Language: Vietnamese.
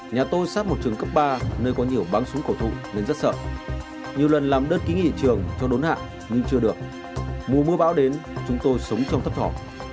nhà tôi sắp một trường cấp ba nơi có nhiều báng súng cổ thụ nên rất sợ nhiều lần làm đất kính nghỉ trường cho đốn hạ nhưng chưa được mùa mưa bão đến chúng tôi sống trong thấp thỏ